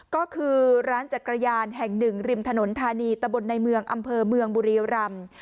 ก็คือร้านจักรยานแห่งหนึ่งริมถนนธานีตะบนในเมืองอำเภอเมืองบุรีรำ